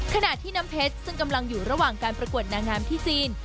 ขณะที่น้ำเพชรซึ่งกำลังอยู่ระหว่างการประกวดนางงามที่จีน